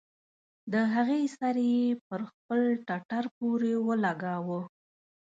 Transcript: د هغې سر يې پر خپل ټټر پورې ولګاوه.